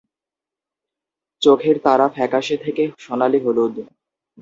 চোখের তারা ফ্যাকাশে থেকে সোনালি হলুদ।